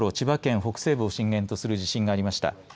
１０時４１分ごろ千葉県北西部を震源とする地震がありました。